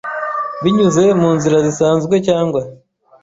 binyuze mu nzira zisanzwe cyangwa